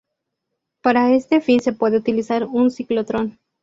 Para este fin se puede utilizar un ciclotrón.